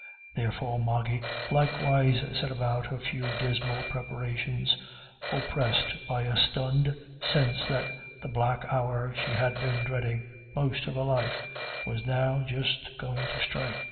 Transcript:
Therefore Moggy likewise set about her few dismal preparations, oppressed by a stunned sense that the black hour she had been dreading most of her life was now just going to strike.